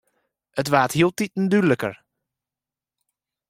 It waard hieltiten dúdliker.